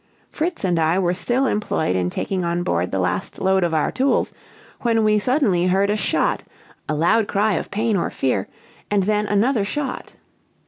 Fritz and I were still employed in taking on board the last load of our tools, when we suddenly heard a shot, a loud cry of pain or fear, and then another shot.